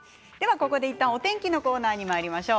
ここでいったんお天気のコーナーにまいりましょう。